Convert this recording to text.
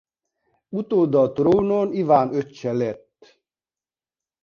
Utóda a trónon Iván öccse lett.